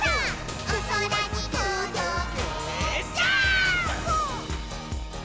「おそらにとどけジャンプ！！」